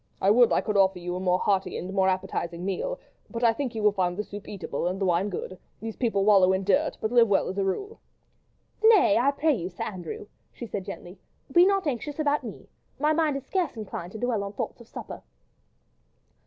"I would I could offer you a more hearty and more appetising meal ... but I think you will find the soup eatable and the wine good; these people wallow in dirt, but live well as a rule." "Nay! I pray you, Sir Andrew," she said gently, "be not anxious about me. My mind is scarce inclined to dwell on thoughts of supper."